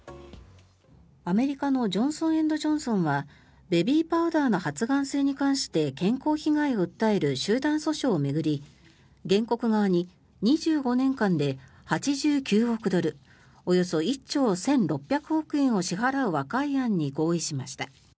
アメリカのジョンソン・エンド・ジョンソンはベビーパウダーの発がん性に関して健康被害を訴える集団訴訟を巡り原告側に２５年間で８９億ドルおよそ１兆１６００億円を支払う和解案に合意しました。